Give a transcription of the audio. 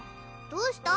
どうした？